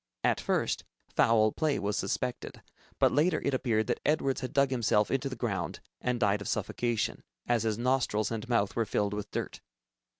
At first, foul play was suspected, but later it appeared that Edwards had dug himself into the ground and died of suffocation, as his nostrils and mouth were filled with dirt.